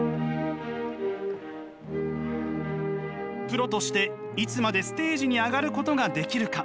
プロとしていつまでステージに上がることができるか。